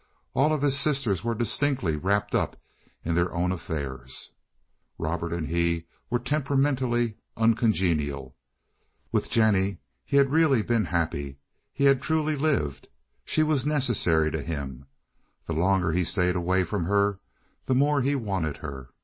All of his sisters were distinctly wrapped up in their own affairs; Robert and he were temperamentally uncongenial. With Jennie he had really been happy, he had truly lived. She was necessary to him; the longer he stayed away from her the more he wanted her.